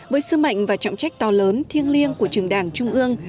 với sư mệnh và trọng trách to lớn thiêng liêng của trường đảng trung ương